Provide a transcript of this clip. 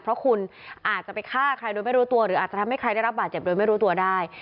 เพราะคุณอาจจะไปฆ่าใครโดยไม่รู้ตัวหรืออาจจะทำให้ใครได้รับบาดเจ็บโดยไม่รู้ตัวได้